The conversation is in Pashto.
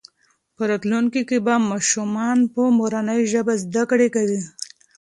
په راتلونکي کې به ماشومان په مورنۍ ژبه زده کړه کوي.